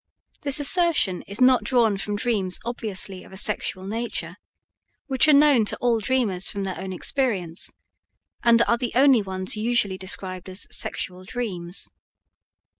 This assertion is not drawn from dreams obviously of a sexual nature, which are known to all dreamers from their own experience, and are the only ones usually described as "sexual dreams."